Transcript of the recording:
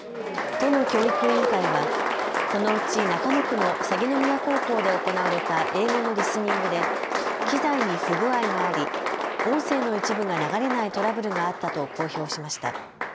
都の教育委員会はこのうち中野区の鷺宮高校で行われた英語のリスニングで機材に不具合があり音声の一部が流れないトラブルがあったと公表しました。